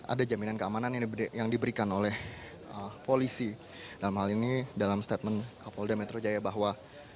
ada jaminan keamanan yang diberikan oleh polisi dalam hal ini dalam statement kapolda metro jaya bahwa